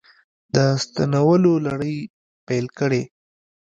د ستنولو لړۍ پیل کړې